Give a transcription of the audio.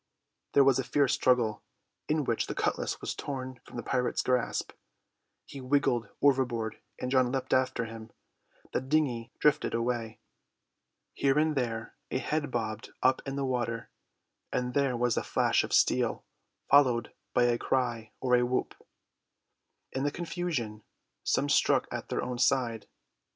There was fierce struggle, in which the cutlass was torn from the pirate's grasp. He wriggled overboard and John leapt after him. The dinghy drifted away. Here and there a head bobbed up in the water, and there was a flash of steel followed by a cry or a whoop. In the confusion some struck at their own side.